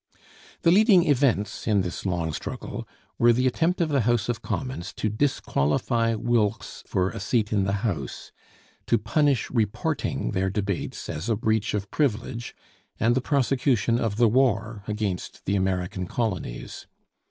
The leading events in this long struggle were the attempt of the House of Commons to disqualify Wilkes for a seat in the House, to punish reporting their debates as a breach of privilege, and the prosecution of the war against the American colonies.